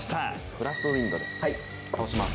ブラストウインドで倒します。